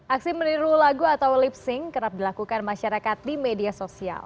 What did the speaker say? aksi meniru lagu atau lip sing kerap dilakukan masyarakat di media sosial